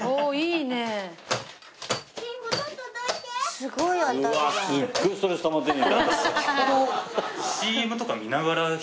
すごいね。